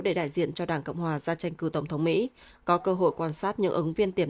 để đại diện cho đảng cộng hòa ra tranh cử tổng thống mỹ có cơ hội quan sát những ứng viên tiềm